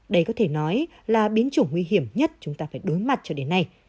đây có thể nói là biến chủng nguy hiểm nhất chúng ta phải đối mặt cho đến nay